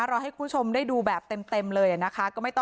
เราให้คุณผู้ชมได้ดูแบบเต็มเลยนะคะ